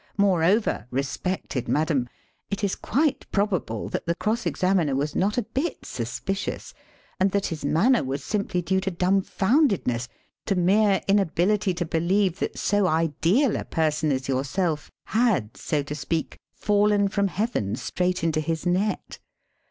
More over, respected madam, it is quite probable that the cross examiner was not a bit suspicious, and that his manner was simply due to dumb foundedness, to mere inability to believe that so ideal a person as yourself had, so to speak, fallen from heaven straight into his net.